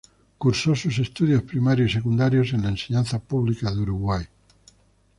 Cursó sus estudios primarios y secundarios en la enseñanza pública del Uruguay.